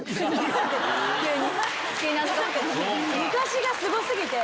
昔がすご過ぎて。